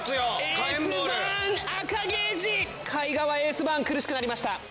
カイ側エースバーン苦しくなりました。